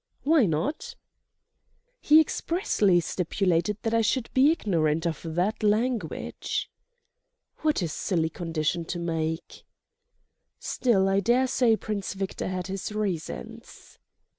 "Why not?" "He expressly stipulated that I should be ignorant of that language." "What a silly condition to make!" "Still, I daresay Prince Victor had his reasons."